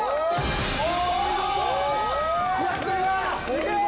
すげえ！